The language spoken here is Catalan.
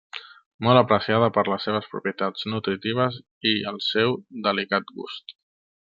Molt apreciada per les seves propietats nutritives i el seu delicat gust.